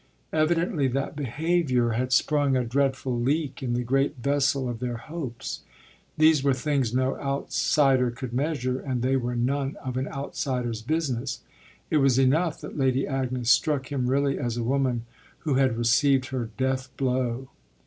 Evidently that behaviour had sprung a dreadful leak in the great vessel of their hopes. These were things no outsider could measure, and they were none of an outsider's business; it was enough that Lady Agnes struck him really as a woman who had received her death blow.